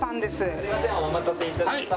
すみませんお待たせいたしました。